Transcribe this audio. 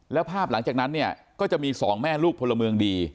แล้วภาพหลังจากนั้นเนี่ยก็จะมีสองแม่ลูกพลเมืองดี